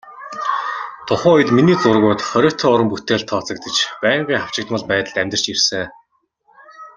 Тухайн үед миний зургууд хориотой уран бүтээлд тооцогдож, байнгын хавчигдмал байдалд амьдарч ирсэн.